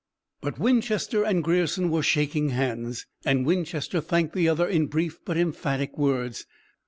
But Winchester and Grierson were shaking hands, and Winchester thanked the other in brief but emphatic words.